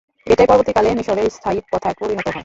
এটাই পরবর্তীকালে মিসরের স্থায়ী প্রথায় পরিণত হয়।